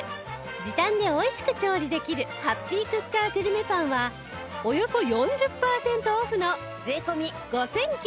時短で美味しく調理できるハッピークッカーグルメパンはおよそ４０パーセントオフの税込５９８０円